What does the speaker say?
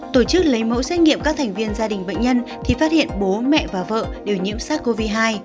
tổ chức lấy mẫu xét nghiệm các thành viên gia đình bệnh nhân thì phát hiện bố mẹ và vợ đều nhiễm sars cov hai